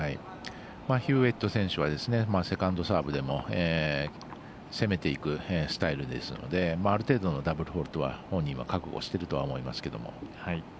ヒューウェット選手はセカンドサーブでも攻めていくスタイルですのである程度のダブルフォールトは本人も覚悟しているとは思いますけれども。